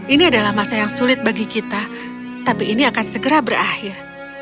ini adalah masa yang sulit bagi kita tapi ini akan segera berakhir